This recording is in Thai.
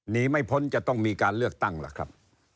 หนีไม่พ้นจะต้องมีการเลือกตั้งล่ะครับ